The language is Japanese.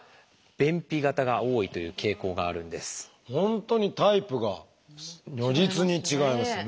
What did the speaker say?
本当にタイプが如実に違いますね。